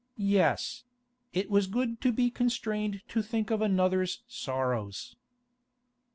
Yes; it was good to be constrained to think of another's sorrows.